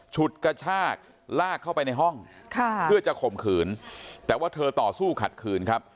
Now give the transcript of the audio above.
ฉุดกระชากลากเข้าไปในห้องค่ะเพื่อจะข่มขืนแต่ว่าเธอต่อสู้ขัดขืนครับ